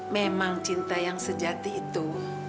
memang cinta yang sejati itu